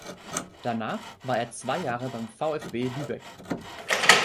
Danach war er zwei Jahre beim VfB Lübeck.